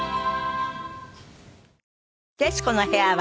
『徹子の部屋』は